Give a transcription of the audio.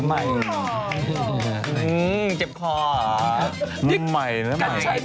ไหมแล้วไหมอยากใช้ไม่ใช่พันธุ์